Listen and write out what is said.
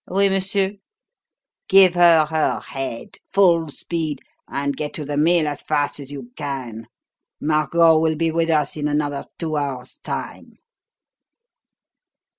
"Oui, monsieur." "Give her her head full speed and get to the mill as fast as you can. Margot will be with us in another two hours' time."